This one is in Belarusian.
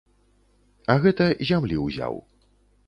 А гэта зямлі ўзяў.